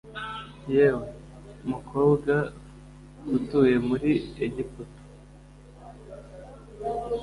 Yewe mukobwaf utuye muri egiputa